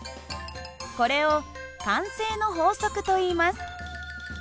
これを慣性の法則といいます。